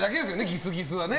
ギスギスはね。